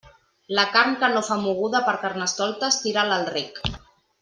La carn que no fa moguda per Carnestoltes tira-la al rec.